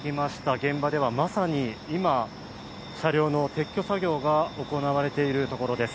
現場ではまさに今、車両の撤去作業が行われているところです。